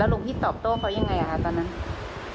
แล้วลูกพี่ตอบโต้เขายังไงอ่ะครับตอนนั้น